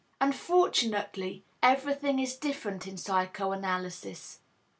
Unfortunately, everything is different in psychoanalysis.